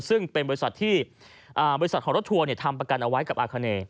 ซึ่งเป็นบริษัทที่บริษัทของรถทัวร์ทำประกันเอาไว้กับอาคาเน